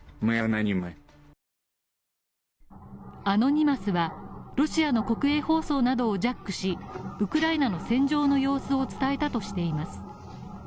アノニマスはロシアの国営放送などをジャックしウクライナの戦場の様子を伝えたとしています。